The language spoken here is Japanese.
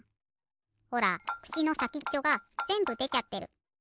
ほらくしのさきっちょがぜんぶでちゃってる。